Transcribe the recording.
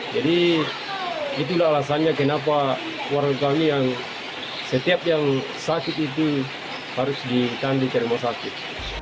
jadi itulah alasannya kenapa warga kami yang setiap yang sakit itu harus ditandai kerembang sakit